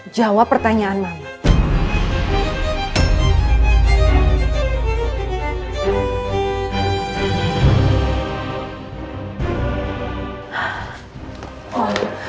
jawa pertanyaan mama